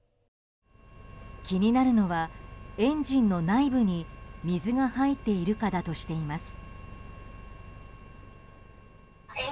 気になるのはエンジンの内部に水が入っているかだとしています。